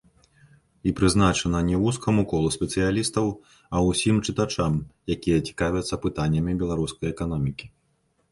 І прызначана не вузкаму колу спецыялістаў, а усім чытачам, якія цікавяцца пытаннямі беларускай эканомікі.